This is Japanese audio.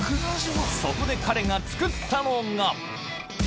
そこで彼が作ったのが。